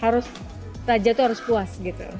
harus raja itu harus puas gitu